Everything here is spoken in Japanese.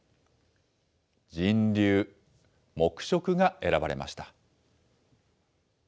人流、黙食が選ばれました。